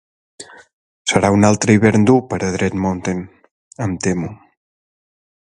Serà un altre hivern dur per a Dread Mountain, em temo.